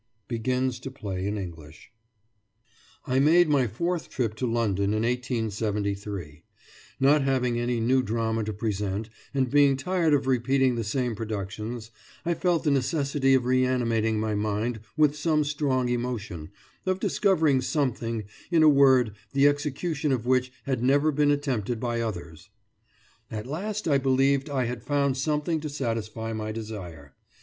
BEGINS TO PLAY IN ENGLISH I made my fourth trip to London in 1873. Not having any new drama to present and being tired of repeating the same productions, I felt the necessity of reanimating my mind with some strong emotion, of discovering something, in a word, the execution of which had never been attempted by others. At last I believed I had found something to satisfy my desire.